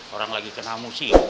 orang lagi kenal musim